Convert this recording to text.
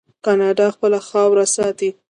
کاناډا خپله خاوره ساتي.